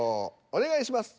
お願いします。